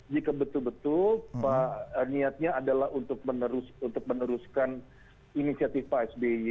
jika betul betul niatnya adalah untuk meneruskan inisiatif pak sby